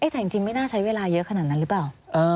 แต่จริงไม่น่าใช้เวลาเยอะขนาดนั้นหรือเปล่า